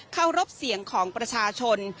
รบเสียงของประชาชน